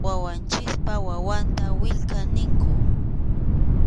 Wawanchikpa wawanta willka ninkum.